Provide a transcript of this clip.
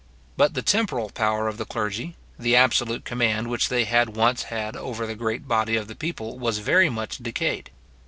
But the temporal power of the clergy, the absolute command which they had once had over the great body of the people was very much decayed.